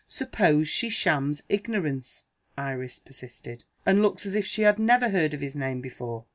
"Suppose she shams ignorance," Iris persisted, "and looks as if she had never heard of his name before?"